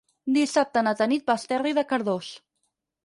Dissabte na Tanit va a Esterri de Cardós.